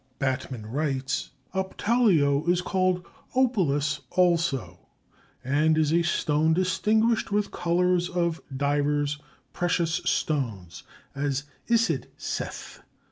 Batman writes: Optallio is called Oppalus also, and is a stone distinguished with colors of divers precious stones, as Isid. saith....